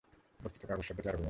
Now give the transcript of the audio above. বস্তুত, "কাগজ" শব্দটি আরবী মূলক।